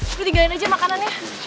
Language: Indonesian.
udah tinggalin aja makanannya